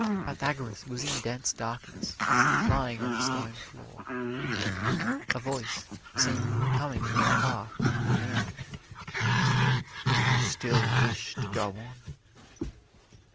Pythagoras was in dense darkness, lying on the stone floor. A voice, seemingly coming from afar, demanded, "Do you still wish to go on?"